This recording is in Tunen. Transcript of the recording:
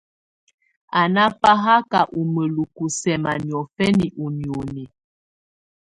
Á ná fáhaká ú mǝ́luku sɛ́ma niɔ̀fɛna ú nìóni.